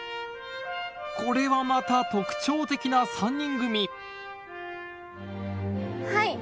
これはまた特徴的な３人組はい！